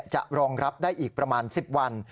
รองรับได้อีกประมาณ๑๐วัน